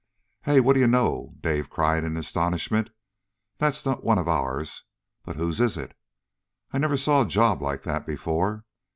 "Hey, what do you know!" Dave cried in astonishment. "That's not one of ours, but whose is it? I sure never saw a job like that before.